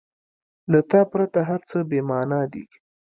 • له تا پرته هر څه بېمانا دي.